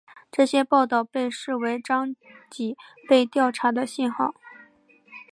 这些报道被视为张已被调查的信号。